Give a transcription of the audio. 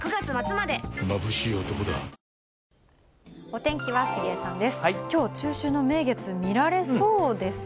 お天気は杉江さんです。